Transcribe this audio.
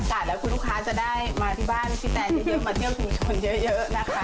อากาศแล้วคุณลูกค้าจะได้มาที่บ้านพี่แตนเยอะมาเที่ยวชุมชนเยอะนะคะ